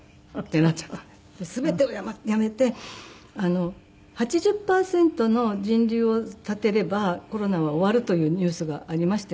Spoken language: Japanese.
全てをやめて８０パーセントの人流を断てればコロナは終わるというニュースがありましたよね。